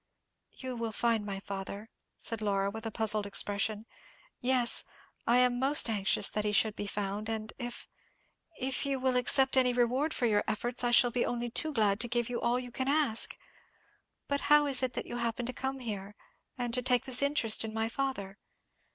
"You will find my father," said Laura, with a puzzled expression. "Yes, I am most anxious that he should be found; and if—if you will accept any reward for your efforts, I shall be only too glad to give all you can ask. But how is it that you happen to come here, and to take this interest in my father?